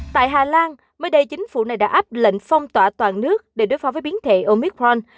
tại hà lan mới đây chính phủ này đã áp lệnh phong tỏa toàn nước để đối phó với biến thể omicron